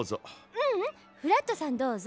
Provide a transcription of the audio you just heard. ううんフラットさんどうぞ。